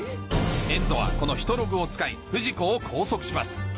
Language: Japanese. エンゾはこのヒトログを使い不二子を拘束します